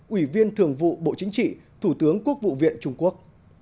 ủy viên thường vụ bộ chính trị thủ tướng quốc vụ viện trung quốc